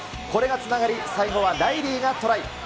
これがつながり最後はライリーがトライ。